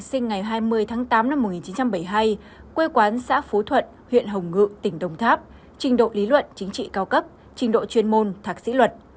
ông nguyễn văn thạnh sinh ngày hai mươi tám một nghìn chín trăm bảy mươi hai quê quán xã phú thuận huyện hồng ngự tỉnh đồng tháp trình độ lý luận chính trị cao cấp trình độ chuyên môn thạc sĩ luật